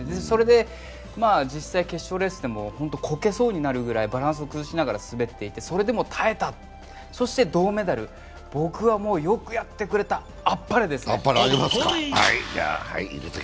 それで実際決勝レースでも本当にコケそうになるぐらいバランスを崩しながら滑っていてそれでも耐えた、そして銅メダル、僕はもう、よくやってくれた、あっぱれです。